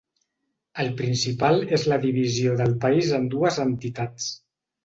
El principal és la divisió del país en dues entitats.